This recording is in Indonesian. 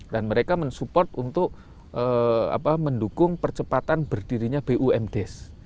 dan mereka mensupport untuk mendukung percepatan berdirinya bum des